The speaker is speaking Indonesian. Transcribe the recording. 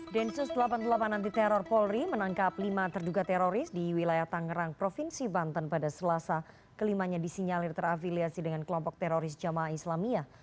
densus delapan puluh delapan anti teror polri menangkap lima terduga teroris di wilayah tangerang provinsi banten pada selasa kelimanya disinyalir terafiliasi dengan kelompok teroris jamaah islamiyah